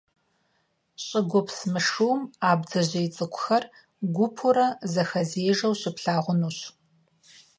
ЩӀыгупс мышыум а бдзэжьей цӀыкӀухэр гупурэ зэхэзежэу щыплъагъунущ.